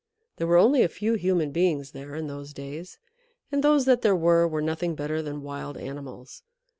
There were only a few human beings there in those days, and those that there were were nothing better than wild animals.